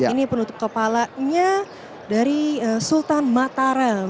ini penutup kepalanya dari sultan mataram